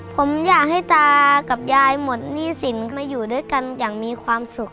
ผมอยากให้ตากับยายหมดหนี้สินมาอยู่ด้วยกันอย่างมีความสุข